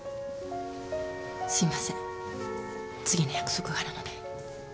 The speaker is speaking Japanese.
すいません次の約束があるので。